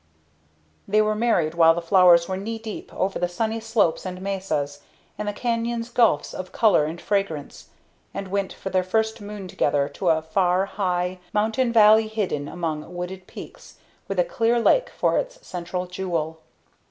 They were married while the flowers were knee deep over the sunny slopes and mesas, and the canyons gulfs of color and fragrance, and went for their first moon together to a far high mountain valley hidden among wooded peaks, with a clear lake for its central jewel.